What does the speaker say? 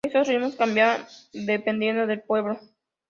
Estos ritmos cambian dependiendo del pueblo.